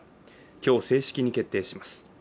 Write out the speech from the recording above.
今日、正式に決定します。